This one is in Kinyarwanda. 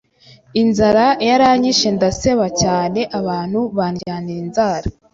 inzara yaranyishe ndaseba cyane abantu bandyanira inzara